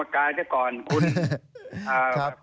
ภัยบูรณ์นิติตะวันภัยบูรณ์นิติตะวัน